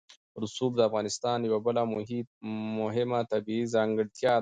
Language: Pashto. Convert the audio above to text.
رسوب د افغانستان یوه بله مهمه طبیعي ځانګړتیا ده.